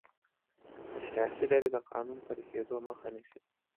سیاسي ډلې د قانون پلي کیدو مخه نیسي